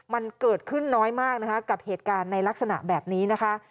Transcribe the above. มันเกิดขึ้นน้อยมากนะคะกับเหตุการณ์ในลักษณะแบบนี้นะคะ